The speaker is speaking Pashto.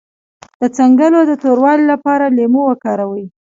د څنګلو د توروالي لپاره لیمو وکاروئ